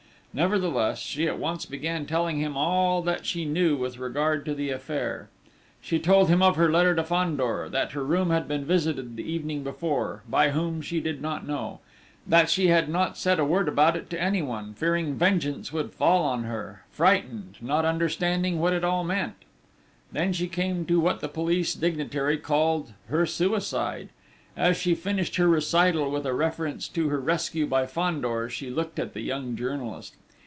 Nevertheless, she at once began telling him all that she knew with regard to the affair. She told him of her letter to Fandor: that her room had been visited the evening before: by whom she did not know ... that she had not said a word about it to anyone, fearing vengeance would fall on her, frightened, not understanding what it all meant.... Then she came to what the police dignitary called "her suicide." As she finished her recital with a reference to her rescue by Fandor, she looked at the young journalist.